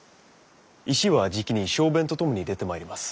石はじきに小便と共に出てまいります。